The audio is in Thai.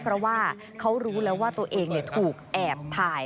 เพราะว่าเขารู้แล้วว่าตัวเองถูกแอบถ่าย